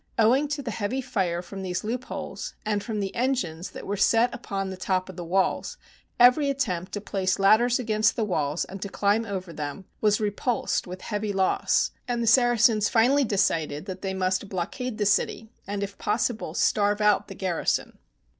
Owing to the heavy fire from these loopholes and from the engines that were set upon the top of the walls, every attempt to place ladders against the walls and to climb over them was repulsed with heavy loss, and the Saracens finally decided that they must blockade the city and, if possible, starve out the garrison.